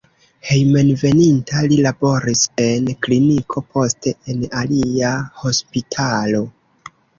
Hejmenveninta li laboris en kliniko, poste en alia hospitalo.